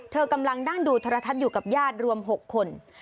กำลังนั่งดูทรทัศน์อยู่กับญาติรวม๖คน